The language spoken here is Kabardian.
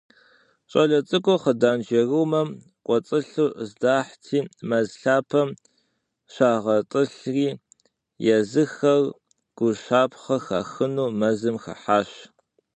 Щӏалэ цӏыкӏур хъыданжэрумэм кӏуэцӏылъу здахьати, мэз лъапэм щагъэтӏылъри, езыхэр гущапхъэ хахыну мэзым хыхьащ.